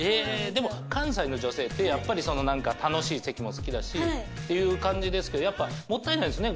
でも関西の女性ってやっぱり楽しい席も好きだしっていう感じですけどやっぱもったいないですね